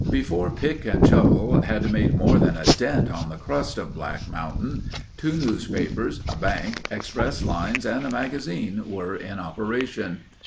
Before pick and shovel had made more than a dent on the crust of Black Mountain, two newspapers, a bank, express lines, and a magazine were in operation.